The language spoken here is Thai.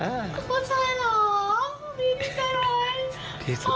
ผู้ชายเหรอดีดีใจเลย